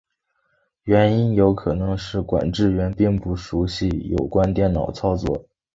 原因有可能是管制员并不熟习有关电脑操作。